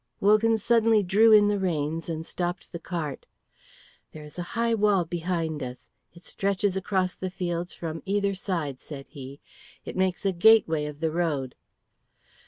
Wogan suddenly drew in the reins and stopped the cart. "There is a high wall behind us. It stretches across the fields from either side," said he. "It makes a gateway of the road."